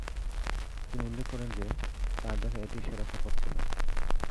তিনি উল্লেখ করেন যে, তার দেখা এটিই সেরা সফর ছিল।